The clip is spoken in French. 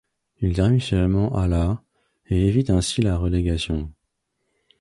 Il termine finalement à la et évite ainsi la relégation.